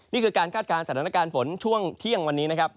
นี่คือการคาดการณ์สถานการณ์ฝนช่วงเที่ยงวันนี้นะครับ